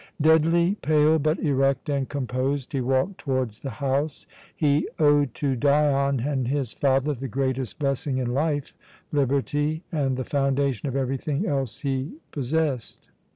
Deadly pale, but erect and composed, he walked towards the house. He owed to Dion and his father the greatest blessing in life, liberty, and the foundation of everything else he possessed.